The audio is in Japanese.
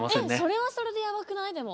それはそれでやばくない？